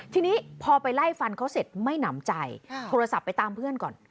ทีนี้พอไปไล่ฟันเขาเสร็จไม่หนำใจโทรศัพท์ไปตามเพื่อนก่อน